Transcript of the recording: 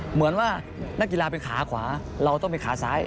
เหมือนว่านักกีฬาเป็นขาขวาเราต้องเป็นขาซ้าย